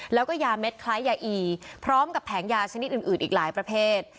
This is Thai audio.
แล้วก็ยาเม็ดคล้ายยาอีพร้อมกับแผงยาชนิดอื่นอีกหลายประเภท